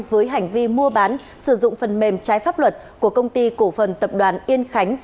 với hành vi mua bán sử dụng phần mềm trái pháp luật của công ty cổ phần tập đoàn yên khánh